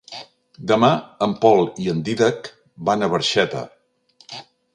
Demà en Pol i en Dídac van a Barxeta.